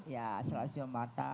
ya selalu cium mata